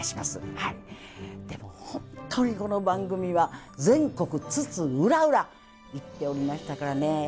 でもほんとにこの番組は全国津々浦々行っておりましたからね。